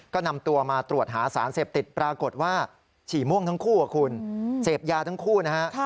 ก็นำตัวมาตรวจหาสารเสพติดปรากฏว่าฉี่ม่วงทั้งคู่คุณเสพยาทั้งคู่นะฮะ